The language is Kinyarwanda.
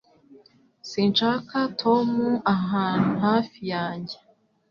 Sinshaka Tom ahantu hafi yanjye